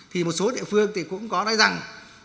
thì một số địa phương thì cũng có nói rằng